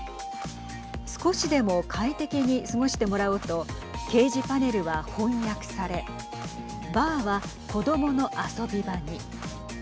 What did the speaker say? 少しでも快適に過ごしてもらおうと掲示パネルは翻訳されバーは子どもの遊び場に。